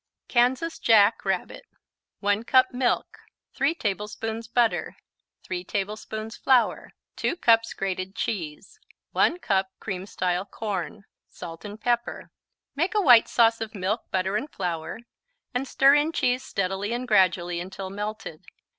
Kansas Jack Rabbit 1 cup milk 3 tablespoons butter 3 tablespoons flour 2 cups grated cheese 1 cup cream style corn Salt and pepper Make a white sauce of milk, butter and flour and stir in cheese steadily and gradually until melted.